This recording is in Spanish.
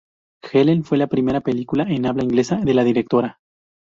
Helen fue la primera película en habla inglesa de la directora.